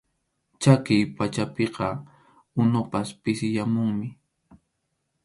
Chʼakiy pachapiqa unupas pisiyamunmi.